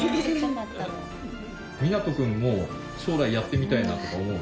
南翔君も将来やってみたいなとか思う？